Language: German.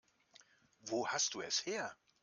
Wo hast du es her?